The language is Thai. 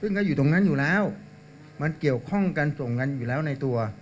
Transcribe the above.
ซึ่งก็อยู่ตรงนั้นอยู่แล้วมันเกี่ยวข้องกันส่งกันอยู่แล้วในตัว